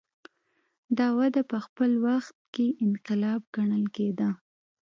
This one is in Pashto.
دا وده په خپل وخت کې انقلاب ګڼل کېده.